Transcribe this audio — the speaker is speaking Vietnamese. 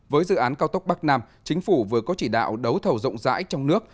với dự án cao tốc bắc nam chính phủ vừa có chỉ đạo đấu thầu rộng rãi trong nước